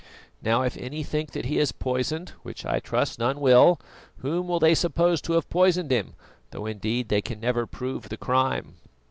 Now, if any think that he is poisoned, which I trust none will, whom will they suppose to have poisoned him, though indeed they can never prove the crime?"